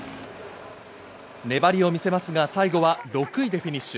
粘りを見せますが、最後は６位でフィニッシュ。